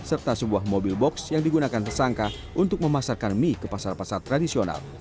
serta sebuah mobil box yang digunakan tersangka untuk memasarkan mie ke pasar pasar tradisional